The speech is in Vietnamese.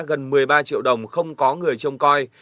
gần một mươi ba triệu đồng không có người trông coi